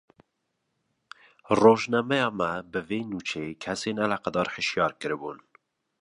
Rojnameya me, bi vê nûçeyê kesên eleqedar hişyar kiribûn